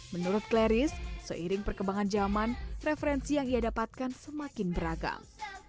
menurut claris seiring perkembangan zaman referensi yang ia dapatkan semakin beragam